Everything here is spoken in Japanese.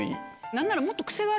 何なら。